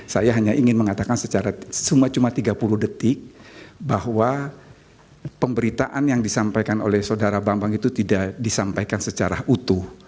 saya hanya ingin mengatakan secara cuma cuma tiga puluh detik bahwa pemberitaan yang disampaikan oleh saudara bambang itu tidak disampaikan secara utuh